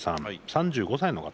３５歳の方。